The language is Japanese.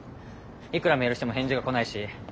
いくらメールしても返事が来ないし。